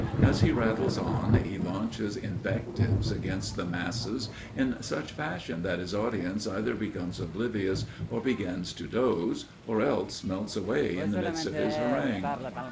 As he rattles on he launches invectives against the masses, in such fashion that his audience either becomes oblivious or begins to doze, or else melts away in the midst of his harangue.